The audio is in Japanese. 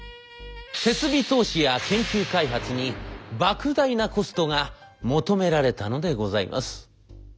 設備投資や研究開発にばく大なコストが求められたのでございます。